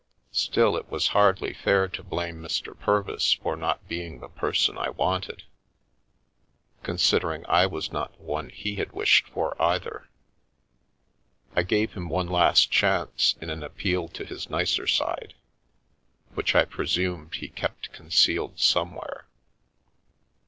Still, it was hardly fair to blame Mr. Purvis for not being the person I wanted, consider ing I was not the one he had wished for either. I gave him one last chance in an appeal to his nicer side, which I presumed he kept concealed somewhere.